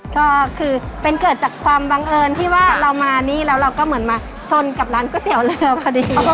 ก็คือเป็นเกิดจากความบังเอิญที่ว่าเรามานี่แล้วเราก็เหมือนมาชนกับร้านก๋วยเตี๋ยวเรือพอดี